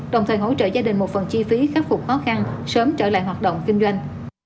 đồng thời hỗ trợ gia đình một phần chi phí khắc phục khó khăn sớm trở lại hoạt động kinh doanh